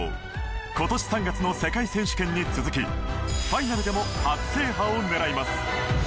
今年３月の世界選手権に続きファイナルでも初制覇を狙います。